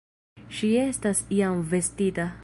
Ŝi estas jam vestita.